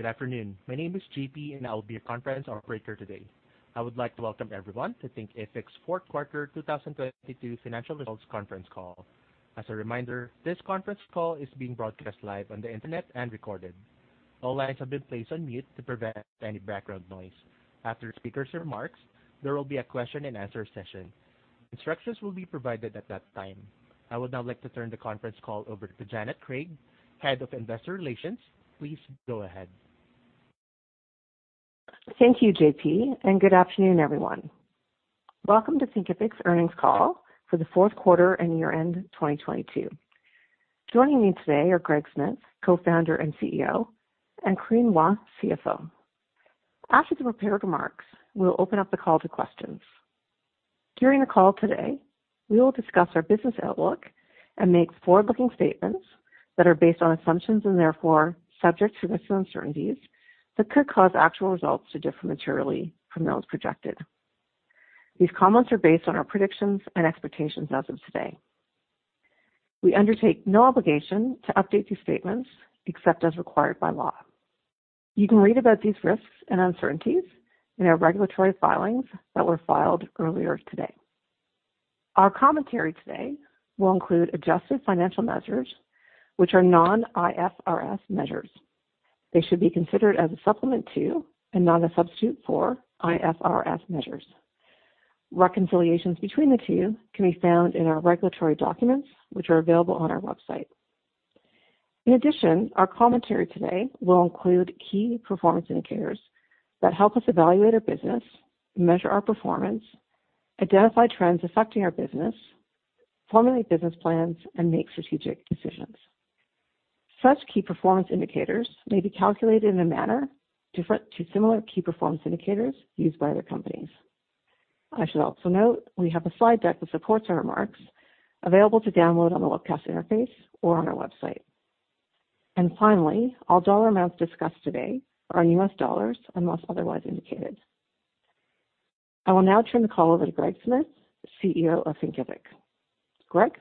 Good afternoon. My name is J.P., and I will be your conference operator today. I would like to welcome everyone to Thinkific's Fourth Quarter 2022 financial results conference call. As a reminder, this conference call is being broadcast live on the internet and recorded. All lines have been placed on mute to prevent any background noise. After the speaker's remarks, there will be a question and answer session. Instructions will be provided at that time. I would now like to turn the conference call over to Janet Craig, Head of Investor Relations. Please go ahead. Thank you, JP, and good afternoon, everyone. Welcome to Thinkific's earnings call for the fourth quarter and year-end 2022. Joining me today are Greg Smith, co-founder and CEO, and Corinne Hua, CFO. After the prepared remarks, we'll open up the call to questions. During the call today, we will discuss our business outlook and make forward-looking statements that are based on assumptions and therefore subject to risks and uncertainties that could cause actual results to differ materially from those projected. These comments are based on our predictions and expectations as of today. We undertake no obligation to update these statements except as required by law. You can read about these risks and uncertainties in our regulatory filings that were filed earlier today. Our commentary today will include adjusted financial measures which are non-IFRS measures. They should be considered as a supplement to, and not a substitute for, IFRS measures. Reconciliations between the two can be found in our regulatory documents, which are available on our website. In addition, our commentary today will include key performance indicators that help us evaluate our business, measure our performance, identify trends affecting our business, formulate business plans, and make strategic decisions. Such key performance indicators may be calculated in a manner different to similar key performance indicators used by other companies. I should also note we have a slide deck that supports our remarks available to download on the webcast interface or on our website. Finally, all dollar amounts discussed today are US dollars unless otherwise indicated. I will now turn the call over to Greg Smith, CEO of Thinkific. Greg.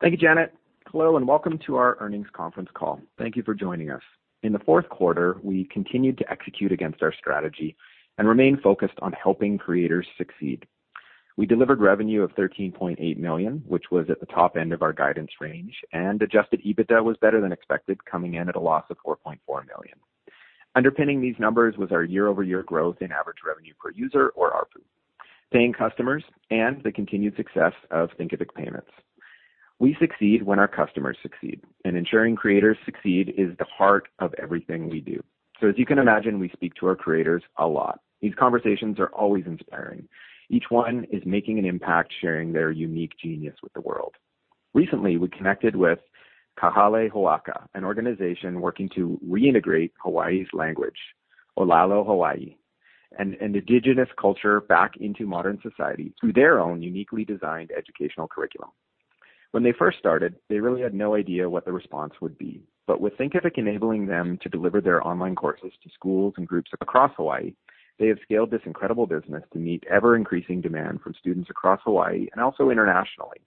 Thank you, Janet. Hello, welcome to our earnings conference call. Thank you for joining us. In the fourth quarter, we continued to execute against our strategy and remain focused on helping creators succeed. We delivered revenue of $13.8 million, which was at the top end of our guidance range, and adjusted EBITDA was better than expected, coming in at a loss of $4.4 million. Underpinning these numbers was our year-over-year growth in average revenue per user or ARPU, paying customers and the continued success of Thinkific Payments. We succeed when our customers succeed, and ensuring creators succeed is the heart of everything we do. As you can imagine, we speak to our creators a lot. These conversations are always inspiring. Each one is making an impact sharing their unique genius with the world. Recently we connected with Ka Hale Hoaka, an organization working to reintegrate Hawaii's language, ʻŌlelo Hawaiʻi, and an indigenous culture back into modern society through their own uniquely designed educational curriculum. When they first started, they really had no idea what the response would be. With Thinkific enabling them to deliver their online courses to schools and groups across Hawaii, they have scaled this incredible business to meet ever-increasing demand from students across Hawaii and also internationally,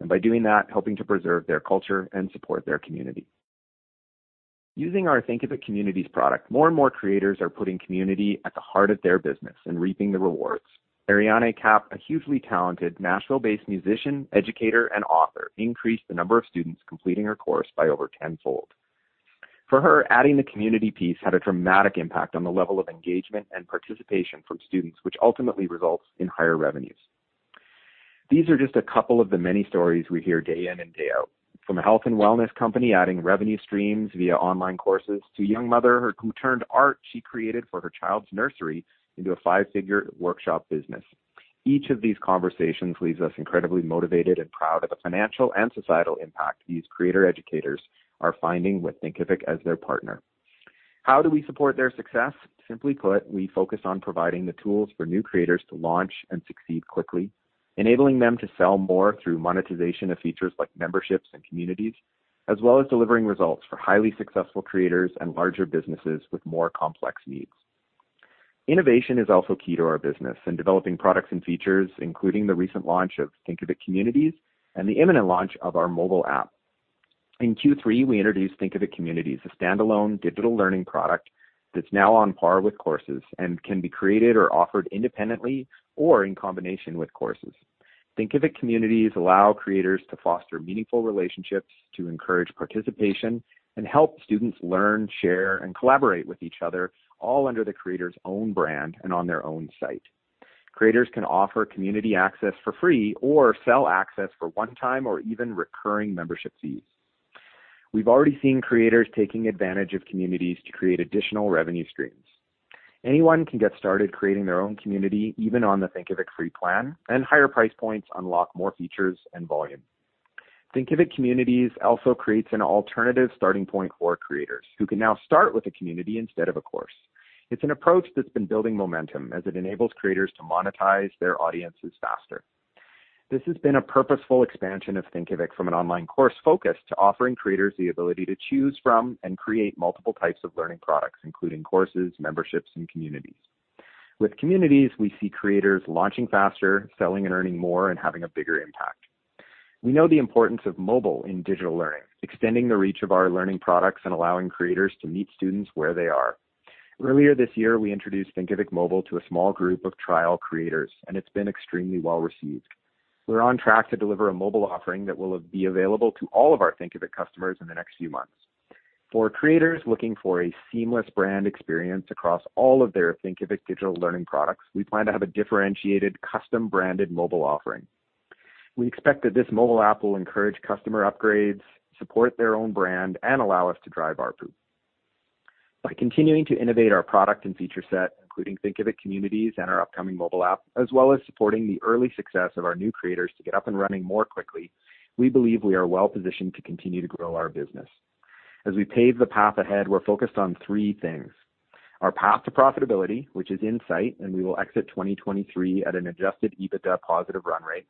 and by doing that, helping to preserve their culture and support their community. Using our Thinkific Communities product, more and more creators are putting community at the heart of their business and reaping the rewards. Ariane Cap, a hugely talented Nashville-based musician, educator and author, increased the number of students completing her course by over 10-fold. For her, adding the community piece had a dramatic impact on the level of engagement and participation from students, which ultimately results in higher revenues. These are just a couple of the many stories we hear day in and day out. From a health and wellness company adding revenue streams via online courses to a young mother who turned art she created for her child's nursery into a 5-figure workshop business. Each of these conversations leaves us incredibly motivated and proud of the financial and societal impact these creator educators are finding with Thinkific as their partner. How do we support their success? Simply put, we focus on providing the tools for new creators to launch and succeed quickly, enabling them to sell more through monetization of features like memberships and communities, as well as delivering results for highly successful creators and larger businesses with more complex needs. Innovation is also key to our business in developing products and features, including the recent launch of Thinkific Communities and the imminent launch of our mobile app. In Q3, we introduced Thinkific Communities, a standalone digital learning product that's now on par with courses and can be created or offered independently or in combination with courses. Thinkific Communities allow creators to foster meaningful relationships to encourage participation and help students learn, share and collaborate with each other, all under the creator's own brand and on their own site. Creators can offer community access for free or sell access for one-time or even recurring membership fees. We've already seen creators taking advantage of communities to create additional revenue streams. Anyone can get started creating their own community, even on the Thinkific free plan. Higher price points unlock more features and volume. Thinkific Communities also creates an alternative starting point for creators who can now start with a community instead of a course. It's an approach that's been building momentum as it enables creators to monetize their audiences faster. This has been a purposeful expansion of Thinkific from an online course focus to offering creators the ability to choose from and create multiple types of learning products, including courses, memberships and communities. With communities, we see creators launching faster, selling and earning more and having a bigger impact. We know the importance of mobile in digital learning, extending the reach of our learning products and allowing creators to meet students where they are. Earlier this year, we introduced Thinkific Mobile to a small group of trial creators, and it's been extremely well-received. We're on track to deliver a mobile offering that will be available to all of our Thinkific customers in the next few months. For creators looking for a seamless brand experience across all of their Thinkific digital learning products, we plan to have a differentiated, custom-branded mobile offering. We expect that this mobile app will encourage customer upgrades, support their own brand, and allow us to drive ARPU. By continuing to innovate our product and feature set, including Thinkific Communities and our upcoming mobile app, as well as supporting the early success of our new creators to get up and running more quickly, we believe we are well-positioned to continue to grow our business. As we pave the path ahead, we're focused on three things: our path to profitability, which is in sight, and we will exit 2023 at an adjusted EBITDA positive run rate.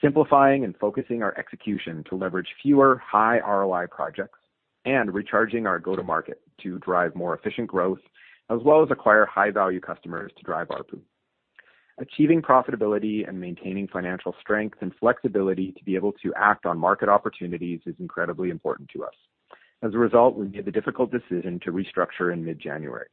Simplifying and focusing our execution to leverage fewer high ROI projects and recharging our go-to-market to drive more efficient growth as well as acquire high-value customers to drive ARPU. Achieving profitability and maintaining financial strength and flexibility to be able to act on market opportunities is incredibly important to us. As a result, we made the difficult decision to restructure in mid-January.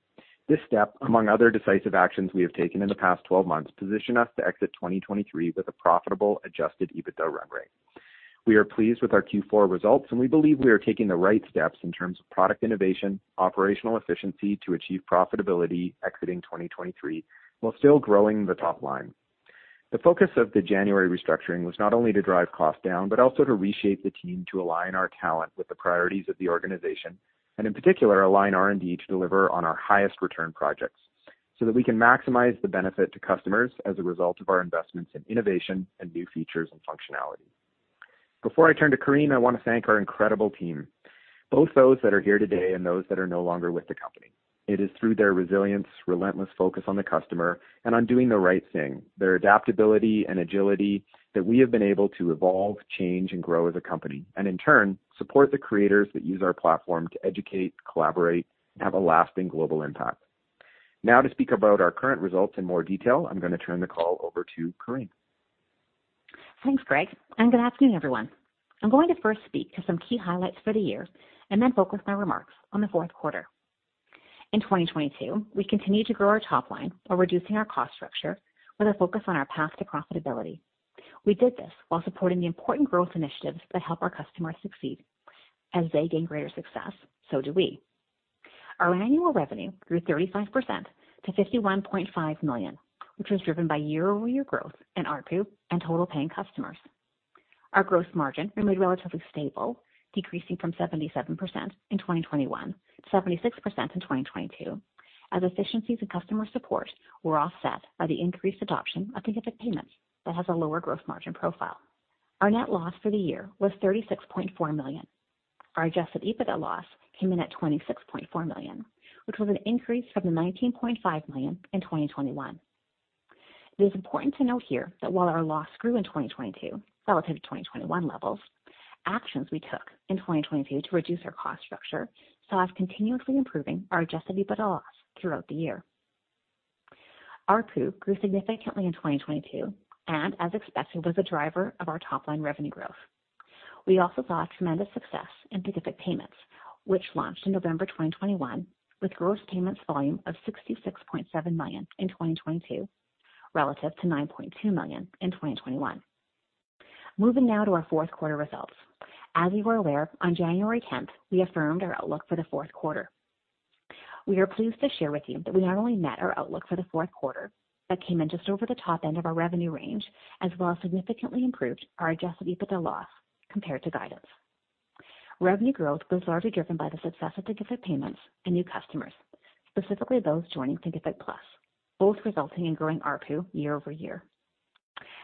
This step, among other decisive actions we have taken in the past 12 months, position us to exit 2023 with a profitable, adjusted EBITDA run rate. We are pleased with our Q4 results, and we believe we are taking the right steps in terms of product innovation, operational efficiency to achieve profitability exiting 2023, while still growing the top line. The focus of the January restructuring was not only to drive costs down, but also to reshape the team to align our talent with the priorities of the organization, and in particular, align R&D to deliver on our highest return projects so that we can maximize the benefit to customers as a result of our investments in innovation and new features and functionality. Before I turn to Corinne, I want to thank our incredible team, both those that are here today and those that are no longer with the company. It is through their resilience, relentless focus on the customer and on doing the right thing, their adaptability and agility that we have been able to evolve, change and grow as a company and in turn support the creators that use our platform to educate, collaborate and have a lasting global impact. Now to speak about our current results in more detail, I'm going to turn the call over to Corinne. Thanks, Greg. Good afternoon, everyone. I'm going to first speak to some key highlights for the year and then focus my remarks on the fourth quarter. In 2022, we continued to grow our top line while reducing our cost structure with a focus on our path to profitability. We did this while supporting the important growth initiatives that help our customers succeed. As they gain greater success, so do we. Our annual revenue grew 35% to $51.5 million, which was driven by year-over-year growth in ARPU and total paying customers. Our gross margin remained relatively stable, decreasing from 77% in 2021 to 76% in 2022, as efficiencies in customer support were offset by the increased adoption of Thinkific Payments that has a lower gross margin profile. Our net loss for the year was $36.4 million. Our adjusted EBITDA loss came in at $26.4 million, which was an increase from the $19.5 million in 2021. It is important to note here that while our loss grew in 2022 relative to 2021 levels, actions we took in 2022 to reduce our cost structure saw us continuously improving our adjusted EBITDA loss throughout the year. ARPU grew significantly in 2022 and as expected, was a driver of our top-line revenue growth. We also saw tremendous success in Thinkific Payments, which launched in November 2021 with gross payments volume of $66.7 million in 2022, relative to $9.2 million in 2021. Moving now to our fourth quarter results. As you are aware, on January 10th, we affirmed our outlook for the fourth quarter. We are pleased to share with you that we not only met our outlook for the fourth quarter but came in just over the top end of our revenue range, as well as significantly improved our adjusted EBITDA loss compared to guidance. Revenue growth was largely driven by the success of Thinkific Payments and new customers, specifically those joining Thinkific Plus, both resulting in growing ARPU year-over-year.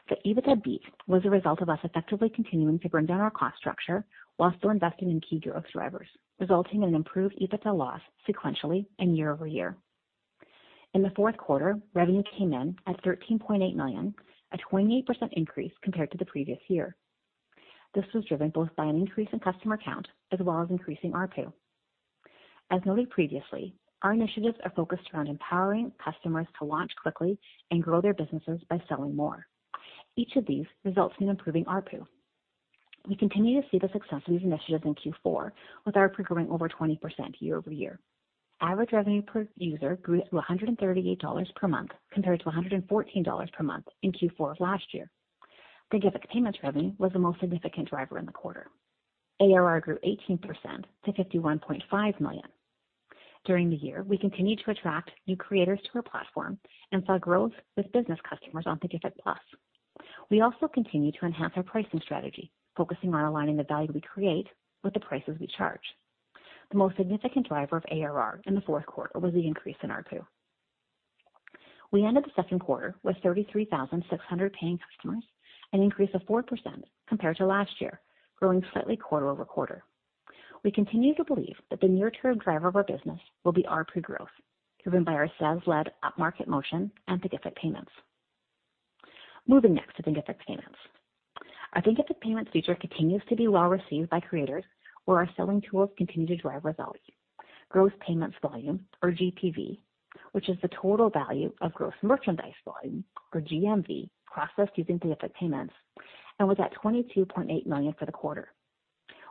The EBITDA beat was a result of us effectively continuing to bring down our cost structure while still investing in key growth drivers, resulting in an improved EBITDA loss sequentially and year-over-year. In the fourth quarter, revenue came in at $13.8 million, a 28% increase compared to the previous year. This was driven both by an increase in customer count as well as increasing ARPU. As noted previously, our initiatives are focused around empowering customers to launch quickly and grow their businesses by selling more. Each of these results in improving ARPU. We continue to see the success of these initiatives in Q4 with ARPU growing over 20% year-over-year. Average revenue per user grew to $138 per month compared to $114 per month in Q4 of last year. Thinkific Payments revenue was the most significant driver in the quarter. ARR grew 18% to $51.5 million. During the year, we continued to attract new creators to our platform and saw growth with business customers on Thinkific Plus. We also continued to enhance our pricing strategy, focusing on aligning the value we create with the prices we charge. The most significant driver of ARR in the fourth quarter was the increase in ARPU. We ended the second quarter with 33,600 paying customers, an increase of 4% compared to last year, growing slightly quarter-over-quarter. We continue to believe that the near-term driver of our business will be ARPU growth, driven by our sales-led up-market motion and Thinkific Payments. Moving next to Thinkific Payments. Our Thinkific Payments feature continues to be well received by creators, where our selling tools continue to drive results. Growth payments volume or GPV, which is the total value of gross merchandise volume or GMV processed using Thinkific Payments, and was at $22.8 million for the quarter.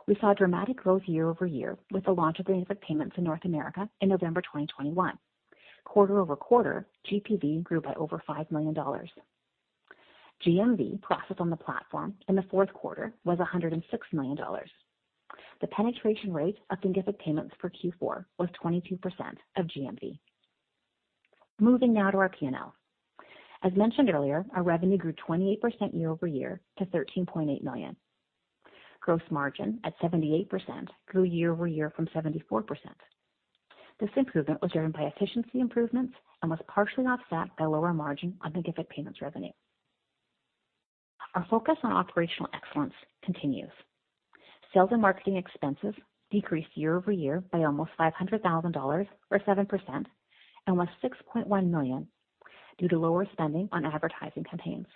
We saw dramatic growth year-over-year with the launch of Thinkific Payments in North America in November 2021. Quarter-over-quarter, GPV grew by over $5 million. GMV processed on the platform in the fourth quarter was $106 million. The penetration rate of Thinkific Payments for Q4 was 22% of GMV. Moving now to our PNL. As mentioned earlier, our revenue grew 28% year-over-year to $13.8 million. Gross margin at 78% grew year-over-year from 74%. This improvement was driven by efficiency improvements and was partially offset by lower margin on Thinkific Payments revenue. Our focus on operational excellence continues. Sales and marketing expenses decreased year-over-year by almost $500,000 or 7% and was $6.1 million due to lower spending on advertising campaigns.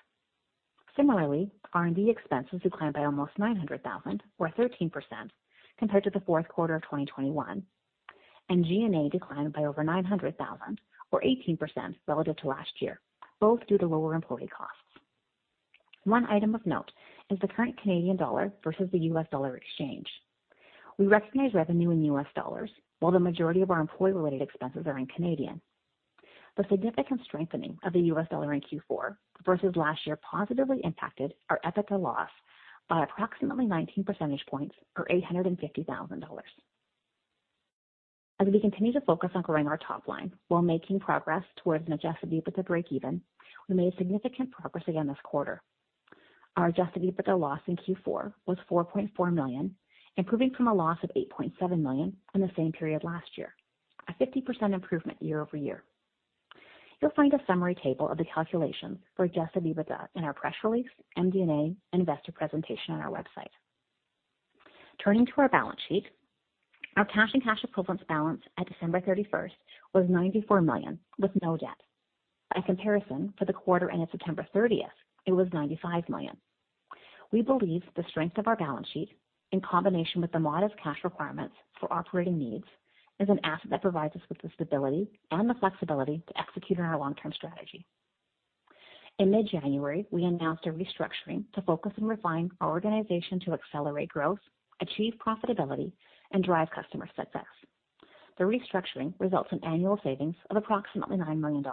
Similarly, R&D expenses declined by almost $900,000 or 13% compared to the fourth quarter of 2021, and G&A declined by over $900,000 or 18% relative to last year, both due to lower employee costs. One item of note is the current Canadian dollar versus the US dollar exchange. We recognize revenue in US dollars while the majority of our employee-related expenses are in Canadian. The significant strengthening of the US dollar in Q4 versus last year positively impacted our EBITDA loss by approximately 19 percentage points or $850,000. As we continue to focus on growing our top line while making progress towards an adjusted EBITDA breakeven, we made significant progress again this quarter. Our adjusted EBITDA loss in Q4 was $4.4 million, improving from a loss of $8.7 million in the same period last year, a 50% improvement year-over-year. You'll find a summary table of the calculations for adjusted EBITDA in our press release, MD&A, investor presentation on our website. Turning to our balance sheet. Our cash and cash equivalents balance at December 31st was $94 million with no debt. By comparison, for the quarter ending September 30th, it was $95 million. We believe the strength of our balance sheet in combination with the modest cash requirements for operating needs is an asset that provides us with the stability and the flexibility to execute on our long-term strategy. In mid-January, we announced a restructuring to focus and refine our organization to accelerate growth, achieve profitability, and drive customer success. The restructuring results in annual savings of approximately $9 million.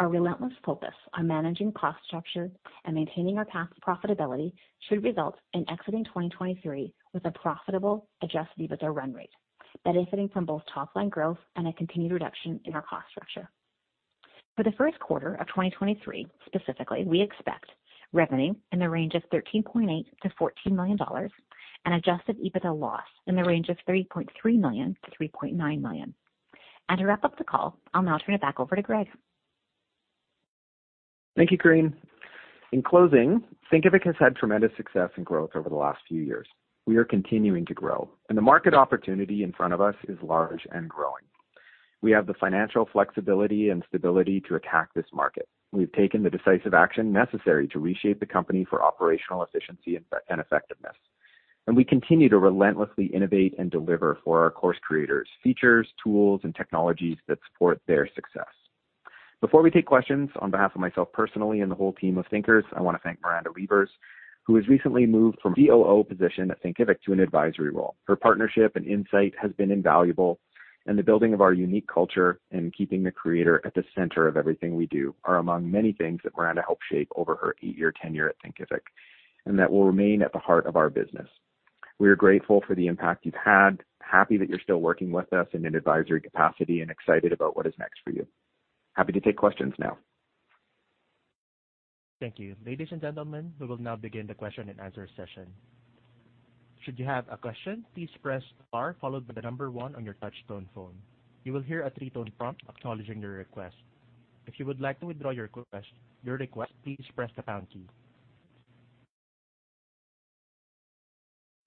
Our relentless focus on managing cost structure and maintaining our path to profitability should result in exiting 2023 with a profitable adjusted EBITDA run rate, benefiting from both top line growth and a continued reduction in our cost structure. For the first quarter of 2023, specifically, we expect revenue in the range of $13.8-$14 million and adjusted EBITDA loss in the range of $3.3-$3.9 million. To wrap up the call, I'll now turn it back over to Greg. Thank you, Corinne. In closing, Thinkific has had tremendous success and growth over the last few years. We are continuing to grow, the market opportunity in front of us is large and growing. We have the financial flexibility and stability to attack this market. We've taken the decisive action necessary to reshape the company for operational efficiency and effectiveness. We continue to relentlessly innovate and deliver for our course creators features, tools, and technologies that support their success. Before we take questions, on behalf of myself personally and the whole team of Thinkers, I want to thank Miranda Lievers, who has recently moved from COO position at Thinkific to an advisory role. Her partnership and insight has been invaluable, the building of our unique culture and keeping the creator at the center of everything we do are among many things that Miranda helped shape over her 8-year tenure at Thinkific and that will remain at the heart of our business. We are grateful for the impact you've had, happy that you're still working with us in an advisory capacity, and excited about what is next for you. Happy to take questions now. Thank you. Ladies and gentlemen, we will now begin the question and answer session. Should you have a question, please press star followed by one on your touch tone phone. You will hear a 3-tone prompt acknowledging your request. If you would like to withdraw your request, please press the pound key.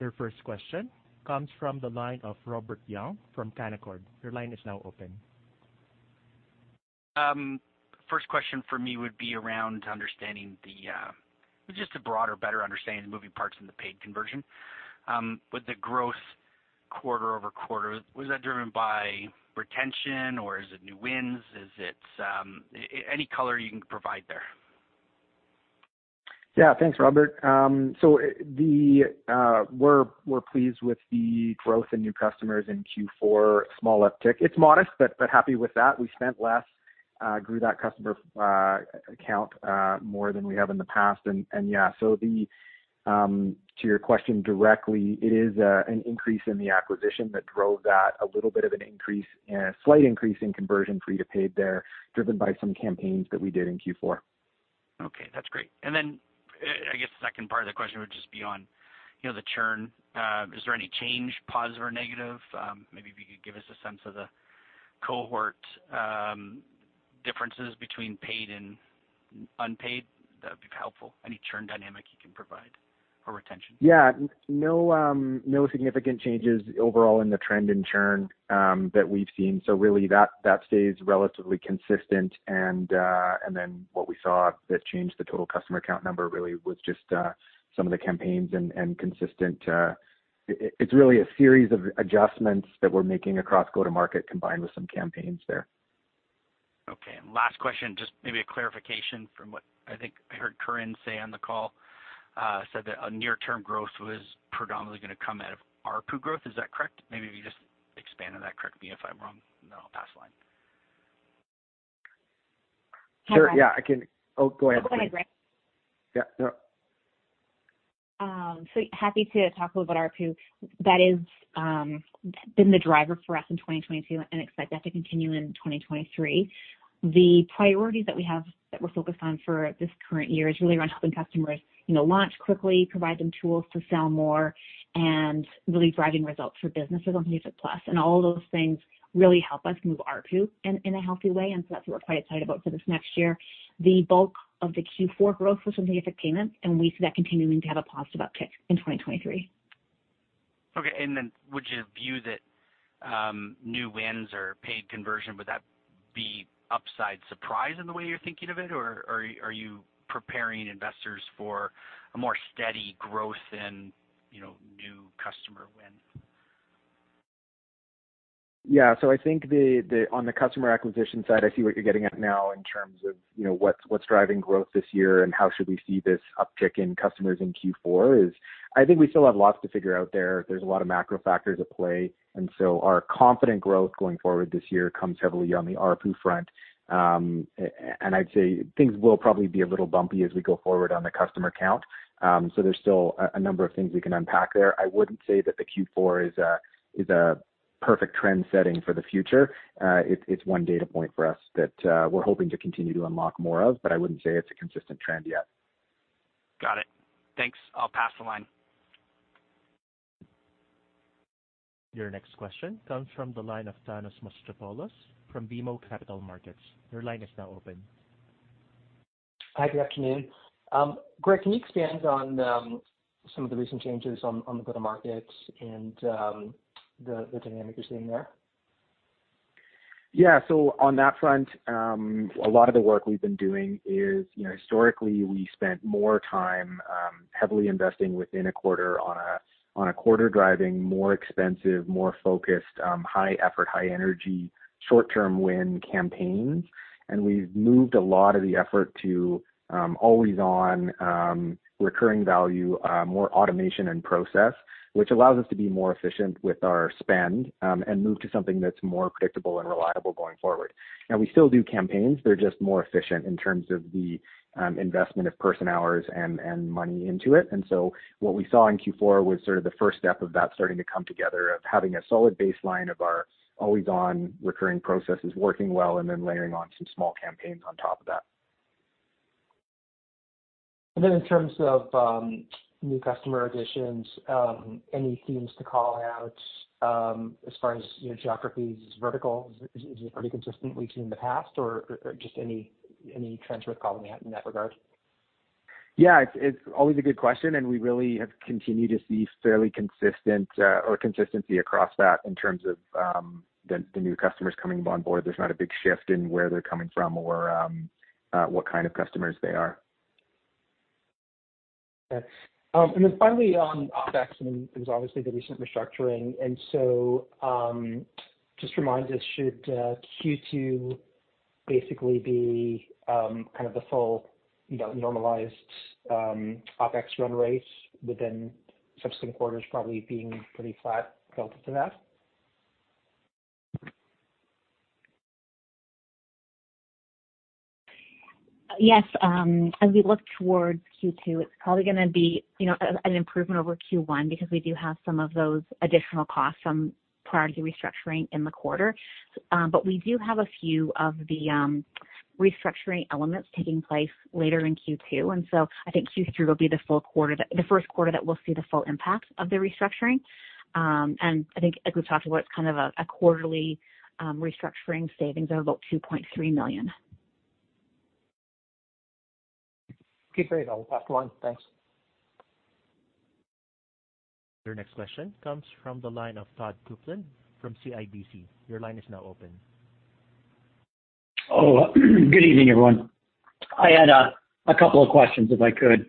Your first question comes from the line of Robert Young from Cannacord. Your line is now open. First question for me would be around understanding the just a broader, better understanding of moving parts in the paid conversion. With the growth quarter-over-quarter, was that driven by retention or is it new wins? Is it any color you can provide there? Yeah. Thanks, Robert. We're pleased with the growth in new customers in Q4, small uptick. It's modest, but happy with that. We spent less, grew that customer account more than we have in the past. Yeah. To your question directly, it is an increase in the acquisition that drove that. A slight increase in conversion free to paid there, driven by some campaigns that we did in Q4. Okay. That's great. I guess the second part of the question would just be on, you know, the churn. Is there any change, positive or negative? Maybe if you could give us a sense of the cohort, differences between paid and unpaid, that would be helpful. Any churn dynamic you can provide or retention. Yeah. No, no significant changes overall in the trend in churn that we've seen. Really, that stays relatively consistent. Then what we saw that changed the total customer account number really was just some of the campaigns and consistent... It's really a series of adjustments that we're making across go-to-market combined with some campaigns there. Okay. Last question, just maybe a clarification from what I think I heard Corinne say on the call, said that a near-term growth was predominantly gonna come out of ARPU growth. Is that correct? Maybe if you just expand on that. Correct me if I'm wrong, and then I'll pass the line. Sure. Yeah, I can... Oh, go ahead. Go ahead, Greg. Yeah, no. Happy to talk about ARPU. That is been the driver for us in 2022 and expect that to continue in 2023. The priorities that we have that we're focused on for this current year is really around helping customers, you know, launch quickly, provide them tools to sell more, and really driving results for businesses on Thinkific Plus. All of those things really help us move ARPU in a healthy way, that's what we're quite excited about for this next year. The bulk of the Q4 growth was from Thinkific Payments, and we see that continuing to have a positive uptick in 2023. Okay. Would you view that, new wins or paid conversion, would that be upside surprise in the way you're thinking of it? Or are you preparing investors for a more steady growth in, you know, new customer wins? Yeah. I think on the customer acquisition side, I see what you're getting at now in terms of, you know, what's driving growth this year and how should we see this uptick in customers in Q4 is I think we still have lots to figure out there. There's a lot of macro factors at play. Our confident growth going forward this year comes heavily on the ARPU front. I'd say things will probably be a little bumpy as we go forward on the customer count. There's still a number of things we can unpack there. I wouldn't say that the Q4 is a perfect trend setting for the future. It's one data point for us that, we're hoping to continue to unlock more of, but I wouldn't say it's a consistent trend yet. Got it. Thanks. I'll pass the line. Your next question comes from the line of Thanos Moschopoulos from BMO Capital Markets. Your line is now open. Hi. Good afternoon. Greg, can you expand on some of the recent changes on the go-to-markets and the dynamic you're seeing there? On that front, a lot of the work we've been doing is, you know, historically, we spent more time heavily investing within a quarter on a quarter driving more expensive, more focused, high effort, high energy, short-term win campaigns. We've moved a lot of the effort to always on, recurring value, more automation and process, which allows us to be more efficient with our spend and move to something that's more predictable and reliable going forward. Now we still do campaigns. They're just more efficient in terms of the investment of person-hours and money into it. What we saw in Q4 was sort of the first step of that starting to come together of having a solid baseline of our always on recurring processes working well and then layering on some small campaigns on top of that. Then in terms of new customer additions, any themes to call out, as far as, you know, geographies, verticals? Is it pretty consistent with the past or just any trends worth calling out in that regard? Yeah. It's always a good question. We really have continued to see fairly consistent, or consistency across that in terms of, the new customers coming on board. There's not a big shift in where they're coming from or, what kind of customers they are. Okay. Finally on OpEx, I mean, there's obviously the recent restructuring. Just remind us, should Q2 basically be kind of the full, you know, normalized OpEx run rates within subsequent quarters probably being pretty flat relative to that? Yes. As we look towards Q2, it's probably gonna be, you know, an improvement over Q1 because we do have some of those additional costs from prior to restructuring in the quarter. We do have a few of the restructuring elements taking place later in Q2, I think Q3 will be the full quarter the first quarter that we'll see the full impact of the restructuring. I think as we've talked about, kind of a quarterly restructuring savings of about $2.3 million. Okay, great. I'll pass the line. Thanks. Your next question comes from the line of Todd Coupland from CIBC. Your line is now open. Good evening, everyone. I had a couple of questions, if I could.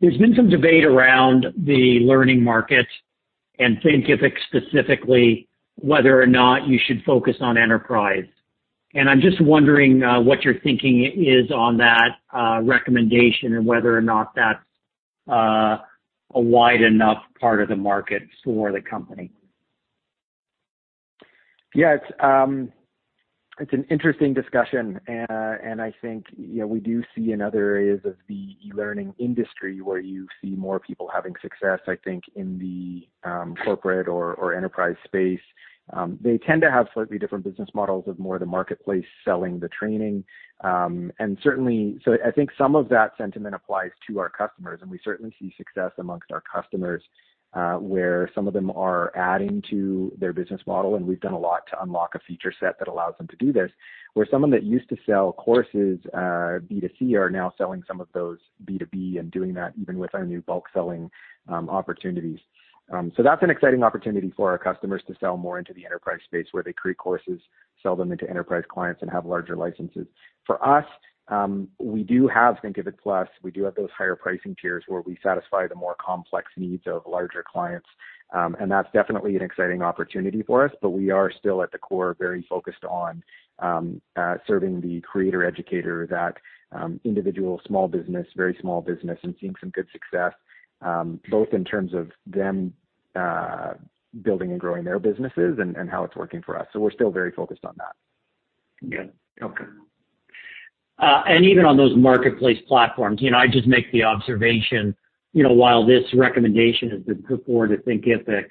There's been some debate around the learning market and Thinkific specifically, whether or not you should focus on enterprise. I'm just wondering what your thinking is on that recommendation and whether or not that's a wide enough part of the market for the company. Yeah. It's, it's an interesting discussion. I think, you know, we do see in other areas of the e-learning industry where you see more people having success, I think, in the corporate or enterprise space. They tend to have slightly different business models of more the marketplace selling the training. I think some of that sentiment applies to our customers, and we certainly see success amongst our customers, where some of them are adding to their business model, and we've done a lot to unlock a feature set that allows them to do this. Where someone that used to sell courses, B2C, are now selling some of those B2B and doing that even with our new bulk selling opportunities. That's an exciting opportunity for our customers to sell more into the enterprise space where they create courses, sell them into enterprise clients, and have larger licenses. For us, we do have Thinkific Plus. We do have those higher pricing tiers where we satisfy the more complex needs of larger clients. That's definitely an exciting opportunity for us. We are still at the core very focused on serving the creator educator, that individual small business, very small business, and seeing some good success both in terms of them building and growing their businesses and how it's working for us. We're still very focused on that. Yeah. Okay. Even on those marketplace platforms, you know, I just make the observation, you know, while this recommendation has been put forward at Thinkific,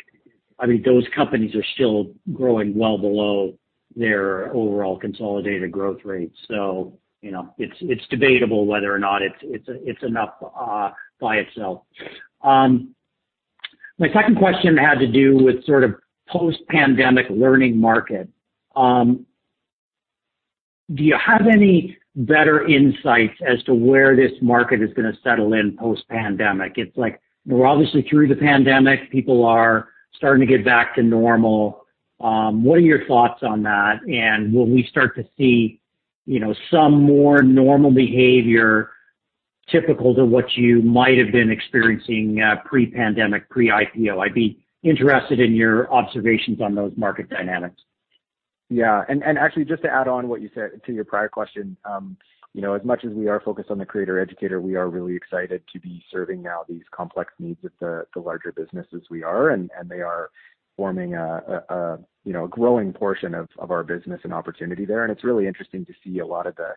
I mean, those companies are still growing well below their overall consolidated growth rate. You know, it's debatable whether or not it's enough by itself. My second question had to do with sort of post-pandemic learning market. Do you have any better insights as to where this market is gonna settle in post-pandemic? It's like we're obviously through the pandemic. People are starting to get back to normal. What are your thoughts on that? Will we start to see, you know, some more normal behavior typical to what you might have been experiencing pre-pandemic, pre-IPO? I'd be interested in your observations on those market dynamics. Yeah. Actually, just to add on what you said to your prior question, you know, as much as we are focused on the creator educator, we are really excited to be serving now these complex needs of the larger businesses we are, and they are forming a, you know, a growing portion of our business and opportunity there. It's really interesting to see a lot of the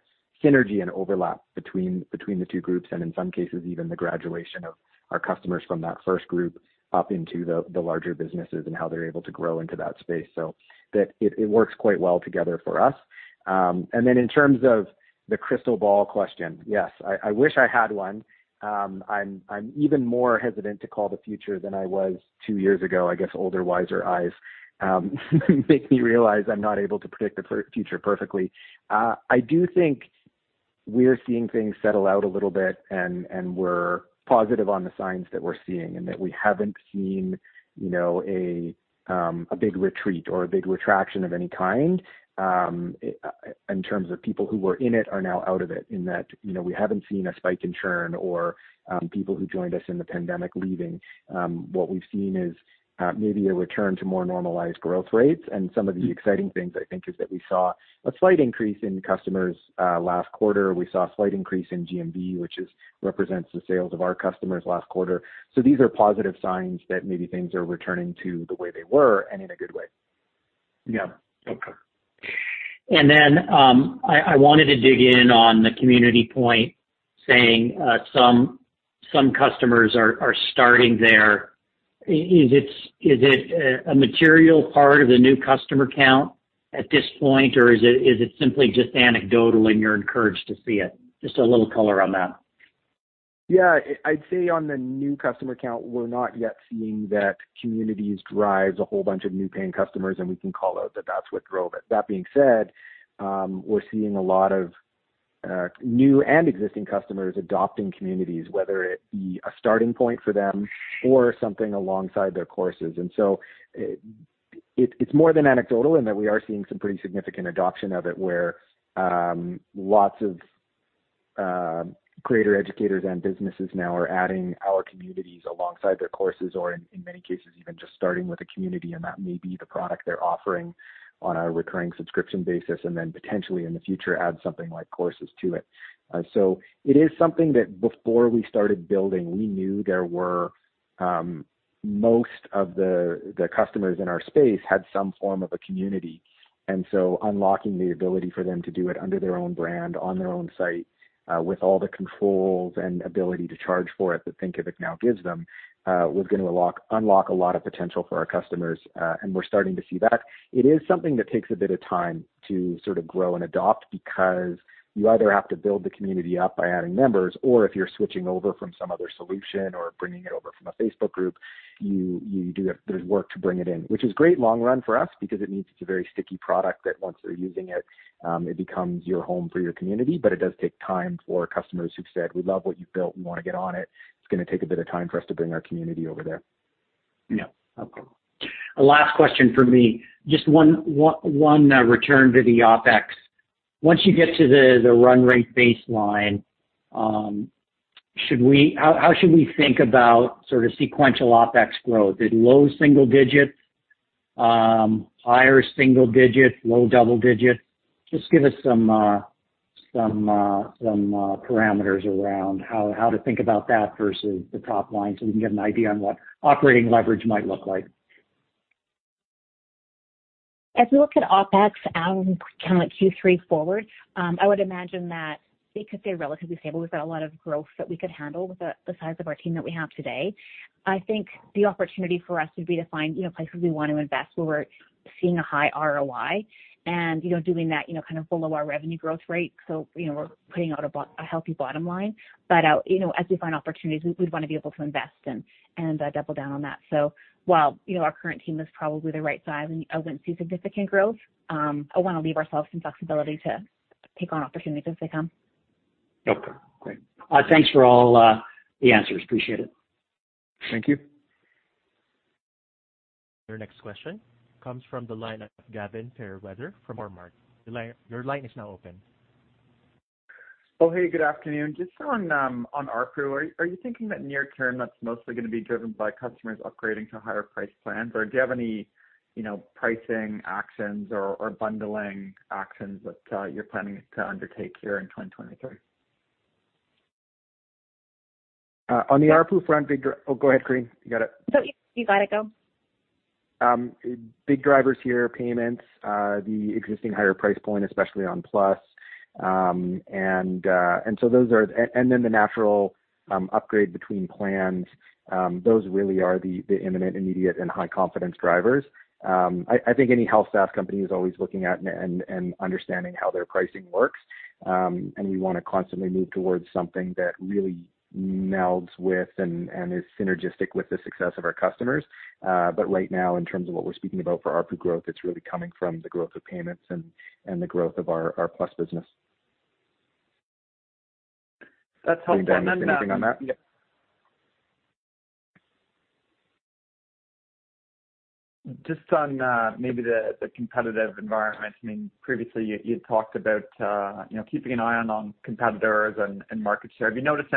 synergy and overlap between the two groups, and in some cases, even the graduation of our customers from that first group up into the larger businesses and how they're able to grow into that space. That it works quite well together for us. Then in terms of the crystal ball question, yes, I wish I had one. I'm even more hesitant to call the future than I was two years ago. I guess older, wiser eyes make me realize I'm not able to predict the future perfectly. I do think we're seeing things settle out a little bit, and we're positive on the signs that we're seeing, and that we haven't seen, you know, a big retreat or a big retraction of any kind, in terms of people who were in it are now out of it, in that, you know, we haven't seen a spike in churn or people who joined us in the pandemic leaving. What we've seen is maybe a return to more normalized growth rates. Some of the exciting things, I think, is that we saw a slight increase in customers last quarter. We saw a slight increase in GMV, which represents the sales of our customers last quarter. These are positive signs that maybe things are returning to the way they were and in a good way. Yeah. Okay. I wanted to dig in on the community point saying, some customers are starting there. Is it a material part of the new customer count at this point, or is it simply just anecdotal and you're encouraged to see it? Just a little color on that. Yeah. I'd say on the new customer count, we're not yet seeing that communities drives a whole bunch of new paying customers. We can call out that that's what drove it. That being said, we're seeing a lot of new and existing customers adopting communities, whether it be a starting point for them or something alongside their courses. It's more than anecdotal in that we are seeing some pretty significant adoption of it, where lots of creator educators and businesses now are adding our communities alongside their courses or in many cases, even just starting with a community. That may be the product they're offering on a recurring subscription basis. Then potentially in the future add something like courses to it. It is something that before we started building, we knew there were most of the customers in our space had some form of a community. Unlocking the ability for them to do it under their own brand, on their own site, with all the controls and ability to charge for it that Thinkific now gives them, was gonna unlock a lot of potential for our customers. We're starting to see that. It is something that takes a bit of time to sort of grow and adopt because you either have to build the community up by adding members, or if you're switching over from some other solution or bringing it over from a Facebook group, there's work to bring it in. Which is great long run for us because it means it's a very sticky product that once they're using it becomes your home for your community. It does take time for customers who've said, "We love what you've built. We wanna get on it. It's gonna take a bit of time for us to bring our community over there. Okay. Last question for me, just one return to the OpEx. Once you get to the run rate baseline, how should we think about sort of sequential OpEx growth? Is it low single digits, higher single digits, low double digits? Just give us some parameters around how to think about that versus the top line so we can get an idea on what operating leverage might look like. As we look at OpEx, Alan, kind of Q3 forward, I would imagine that they could stay relatively stable. We've got a lot of growth that we could handle with the size of our team that we have today. I think the opportunity for us would be to find, you know, places we want to invest where we're seeing a high ROI and, you know, doing that, you know, kind of below our revenue growth rate. You know, we're putting out a healthy bottom line. You know, as we find opportunities, we'd wanna be able to invest and double down on that. While, you know, our current team is probably the right size and I wouldn't see significant growth, I wanna leave ourselves some flexibility to take on opportunities as they come. Okay, great. Thanks for all the answers. Appreciate it. Thank you. Your next question comes from the line of Gavin Fairweather from Cormark. Your line is now open. Oh, hey, good afternoon. Just on ARPU, are you thinking that near term that's mostly gonna be driven by customers upgrading to higher price plans? Or do you have any, you know, pricing actions or bundling actions that you're planning to undertake here in 2023? On the ARPU front, Oh, go ahead, Corinne. You got it. you got it. Go. Big drivers here are payments, the existing higher price point, especially on Thinkific Plus. The natural upgrade between plans, those really are the imminent, immediate, and high-confidence drivers. I think any health staff company is always looking at and understanding how their pricing works. We wanna constantly move towards something that really melds with and is synergistic with the success of our customers. Right now, in terms of what we're speaking about for ARPU growth, it's really coming from the growth of payments and the growth of our Thinkific Plus business. That's helpful. Then. Anything to add on that? Yep. Just on, maybe the competitive environment. I mean, previously you'd talked about, you know, keeping an eye on competitors and market share. Have you noticed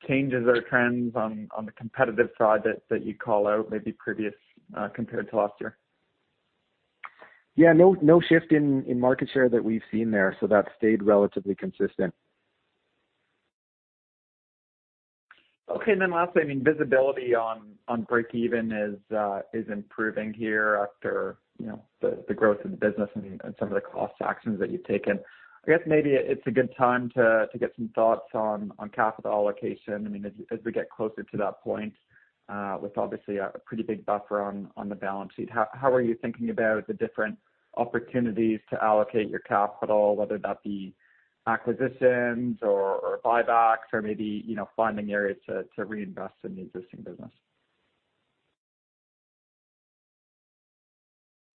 any changes or trends on the competitive side that you'd call out maybe previous, compared to last year? No, no shift in market share that we've seen there, so that stayed relatively consistent. Lastly, I mean, visibility on breakeven is improving here after, you know, the growth of the business and some of the cost actions that you've taken. I guess maybe it's a good time to get some thoughts on capital allocation. I mean, as we get closer to that point, with obviously a pretty big buffer on the balance sheet, how are you thinking about the different opportunities to allocate your capital, whether that be acquisitions or buybacks or maybe, you know, finding areas to reinvest in the existing business?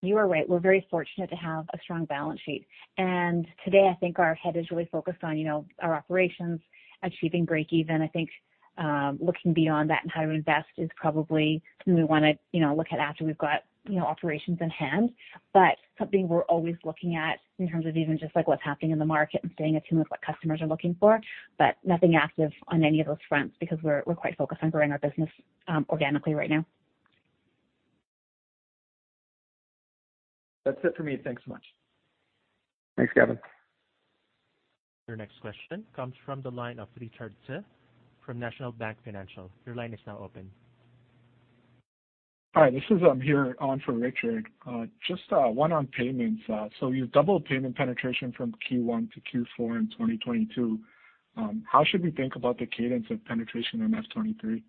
You are right. We're very fortunate to have a strong balance sheet. Today, I think our head is really focused on, you know, our operations, achieving breakeven. I think, looking beyond that and how to invest is probably something we wanna, you know, look at after we've got, you know, operations in hand. Something we're always looking at in terms of even just like what's happening in the market and staying attuned with what customers are looking for. Nothing active on any of those fronts because we're quite focused on growing our business, organically right now. That's it for me. Thanks so much. Thanks, Gavin. Your next question comes from the line of Richard Tse from National Bank Financial. Your line is now open. Hi, this is here on for Richard. Just one on payments. You've doubled payment penetration from Q1 to Q4 in 2022. How should we think about the cadence of penetration in F 2023?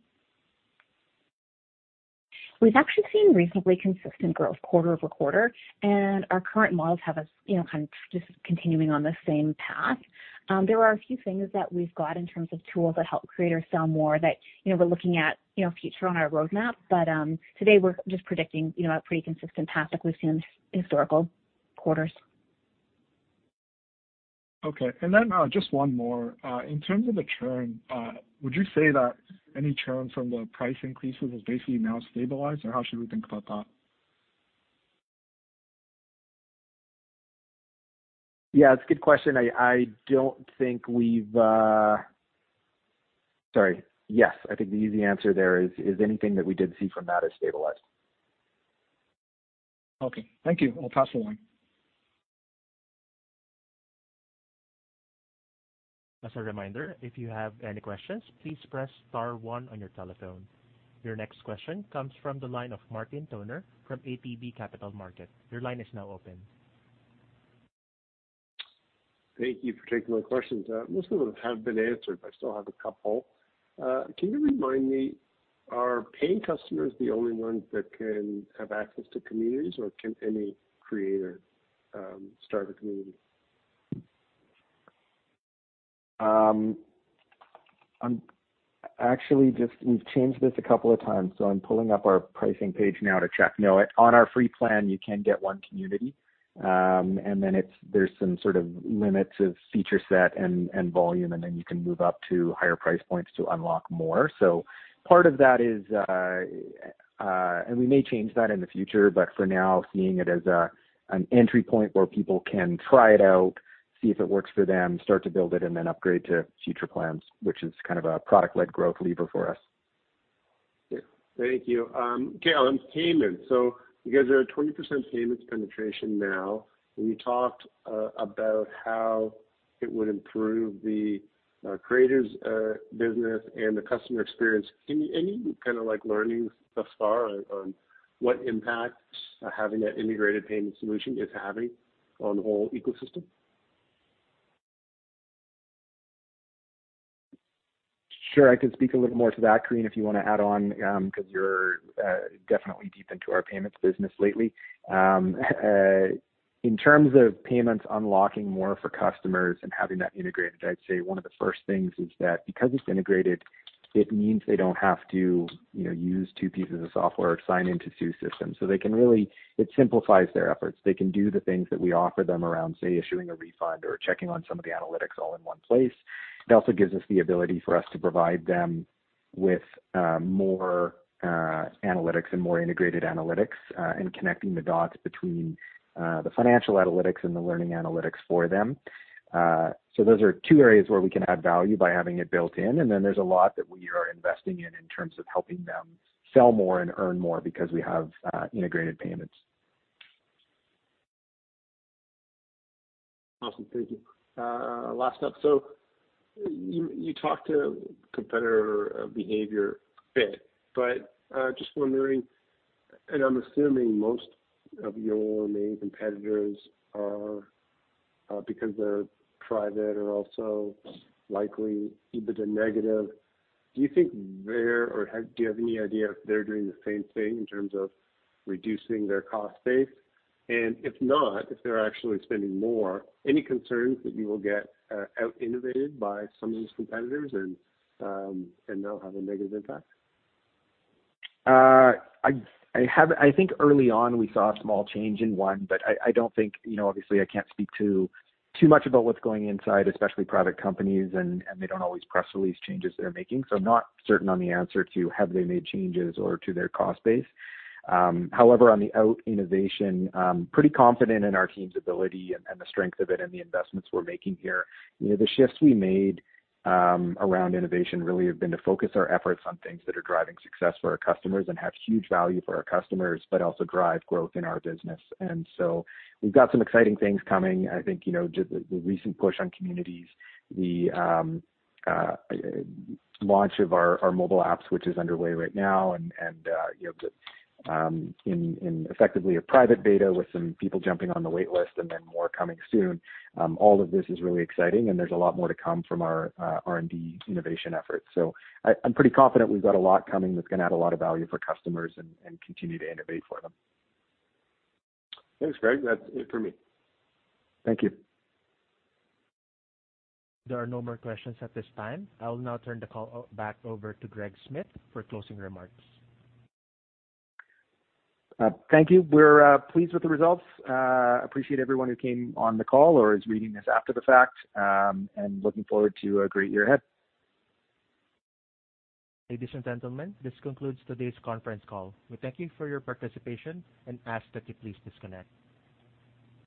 We've actually seen reasonably consistent growth quarter-over-quarter, and our current models have us, you know, kind of just continuing on the same path. There are a few things that we've got in terms of tools that help creators sell more that, you know, we're looking at, you know, future on our roadmap. Today we're just predicting, you know, a pretty consistent path like we've seen in historical quarters. Okay. Just one more. In terms of the churn, would you say that any churn from the price increases is basically now stabilized, or how should we think about that? Yeah, it's a good question. Sorry. Yes. I think the easy answer there is anything that we did see from that has stabilized. Okay. Thank you. I'll pass the line. As a reminder, if you have any questions, please press star 1 on your telephone. Your next question comes from the line of Martin Toner from ATB Capital Markets. Your line is now open. Thank you for taking my questions. Most of them have been answered, but I still have a couple. Can you remind me, are paying customers the only ones that can have access to Communities, or can any creator, start a Community? I'm actually We've changed this a couple of times, so I'm pulling up our pricing page now to check. No, on our free plan, you can get one community. And then there's some sort of limits of feature set and volume, and then you can move up to higher price points to unlock more. Part of that is, and we may change that in the future, but for now, seeing it as an entry point where people can try it out, see if it works for them, start to build it, and then upgrade to future plans, which is kind of a product-led growth lever for us. Yeah. Thank you. Okay, on payments. You guys are at 20% payments penetration now. You talked about how it would improve the creators' business and the customer experience. Any kind of like learnings thus far on what impact having that integrated payment solution is having on the whole ecosystem? Sure. I can speak a little more to that, Corinne, if you wanna add on, 'cause you're definitely deep into our payments business lately. In terms of payments unlocking more for customers and having that integrated, I'd say one of the first things is that because it's integrated, it means they don't have to, you know, use two pieces of software or sign into two systems. It simplifies their efforts. They can do the things that we offer them around, say, issuing a refund or checking on some of the analytics all in one place. It also gives us the ability for us to provide them with more analytics and more integrated analytics and connecting the dots between the financial analytics and the learning analytics for them. Those are two areas where we can add value by having it built in, and then there's a lot that we are investing in in terms of helping them sell more and earn more because we have integrated payments. Thank you. Last up. You talk to competitor behavior a bit, but just wondering, and I'm assuming most of your main competitors are because they're private and also likely EBITDA negative, do you think they're or do you have any idea if they're doing the same thing in terms of reducing their cost base? If not, if they're actually spending more, any concerns that you will get out-innovated by some of these competitors and they'll have a negative impact? I think early on we saw a small change in one, but I don't think, you know, obviously I can't speak too much about what's going inside, especially private companies and they don't always press release changes they're making. I'm not certain on the answer to have they made changes or to their cost base. However, on the out innovation, pretty confident in our team's ability and the strength of it and the investments we're making here. You know, the shifts we made around innovation really have been to focus our efforts on things that are driving success for our customers and have huge value for our customers, but also drive growth in our business. We've got some exciting things coming. I think, you know, just the recent push on communities, the launch of our mobile apps, which is underway right now and, you know, the in effectively a private beta with some people jumping on the wait list and then more coming soon. All of this is really exciting, and there's a lot more to come from our R&D innovation efforts. I'm pretty confident we've got a lot coming that's gonna add a lot of value for customers and continue to innovate for them. Thanks, Greg. That's it for me. Thank you. There are no more questions at this time. I'll now turn the call back over to Greg Smith for closing remarks. Thank you. We're pleased with the results. Appreciate everyone who came on the call or is reading this after the fact, and looking forward to a great year ahead. Ladies and gentlemen, this concludes today's conference call. We thank you for your participation and ask that you please disconnect.